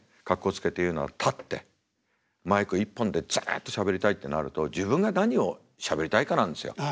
格好つけて言うのは立ってマイク１本でずっとしゃべりたいってなると自分が何をしゃべりたいかなんですよ。